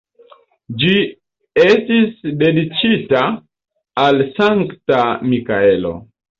Ĝi estis dediĉita al Sankta Mikaelo.